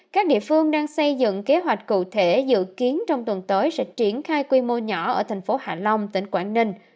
các địa phương đang xây dựng kế hoạch cụ thể dự kiến trong tuần tới sẽ triển khai quy mô nhỏ ở thành phố hạ long tỉnh quảng ninh